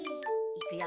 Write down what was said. いくよ！